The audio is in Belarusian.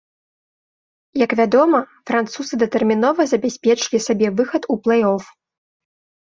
Як вядома, французы датэрмінова забяспечылі сабе выхад у плэй-оф.